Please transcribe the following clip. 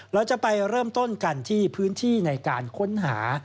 เราจะไปเริ่มต้นกันที่พื้นที่ในการค้นหา